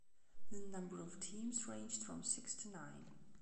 The number of teams ranged from six to nine.